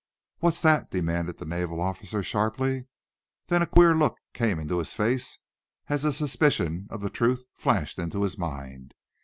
"What's that?" demanded the naval officer, sharply. Then a queer look came into his face as a suspicion of the truth flashed into his mind.